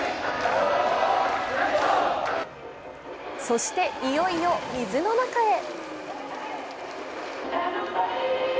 そして、いよいよ水の中へ。